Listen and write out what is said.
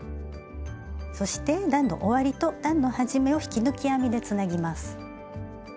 そして段の終わりと段の始めを引き抜き編みでつなぎます。